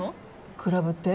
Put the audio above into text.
クラブって？